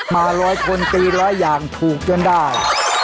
มา๑๐๐คนตี๑๐๐อย่างถูกจนได้